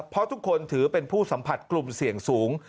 เพราะทุกคนถือเป็นผู้สัมผัสกลุ่มเสี่ยงสูง